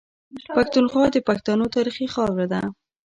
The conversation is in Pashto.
پښتونخوا د پښتنو تاريخي خاوره ده.